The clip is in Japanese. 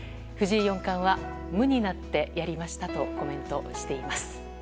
藤井四冠は無になってやりましたとコメントしています。